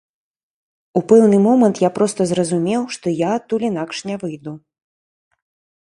У пэўны момант я проста зразумеў, што я адтуль інакш не выйду.